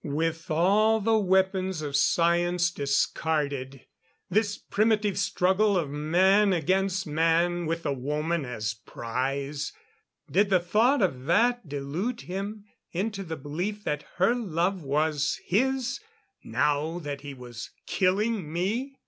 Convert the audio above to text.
With all the weapons of science discarded this primitive struggle of man against man with the woman as prize did the thought of that delude him into the belief that her love was his, now that he was killing me?